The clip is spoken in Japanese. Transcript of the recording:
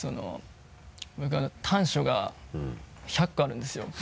僕短所が１００個あるんですよ。